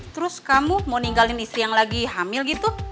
terus kamu mau ninggalin istri yang lagi hamil gitu